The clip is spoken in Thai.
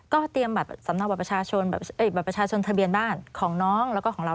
ก็เตรียมบัตรประชาชนทะเบียนบ้านของน้องแล้วก็ของเรา